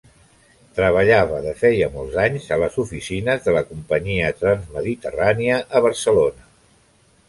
Treballava de feia molts anys a les oficines de la companyia Transmediterránea, a Barcelona.